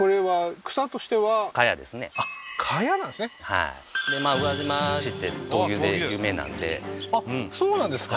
はい宇和島市って闘牛で有名なんであっそうなんですか？